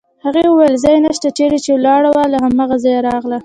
هغې وویل: ځای نشته، چېرې چې ولاړه وه له هماغه ځایه راغله.